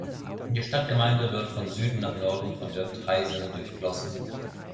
Die Stadtgemeinde wird von Süden nach Norden von der Traisen durchflossen.